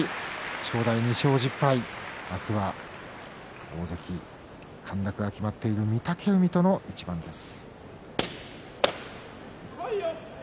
正代は２勝１０敗、明日は大関陥落になっている御嶽海との一番です。